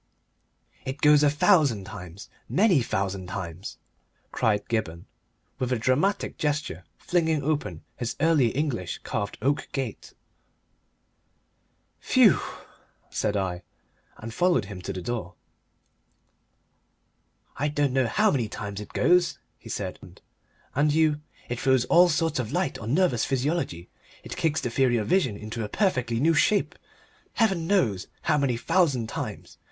"It goes a thousand times, many thousand times!" cried Gibberne, with a dramatic gesture, flinging open his Early English carved oak gate. "Phew!" said I, and followed him to the door. "I don't know how many times it goes," he said, with his latch key in his hand. "And you " "It throws all sorts of light on nervous physiology, it kicks the theory of vision into a perfectly new shape!... Heaven knows how many thousand times.